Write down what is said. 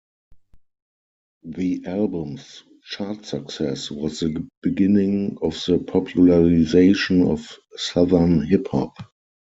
The album's chart success was the beginning of the popularization of Southern hip hop.